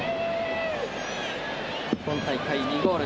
今大会、２ゴール。